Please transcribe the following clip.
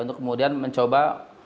untuk kemudian mencoba